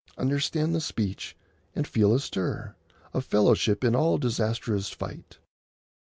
— "Understand the speech and feel a stir Of fellowship in all disastrous fight.